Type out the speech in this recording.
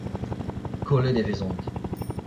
Kollet e vezont.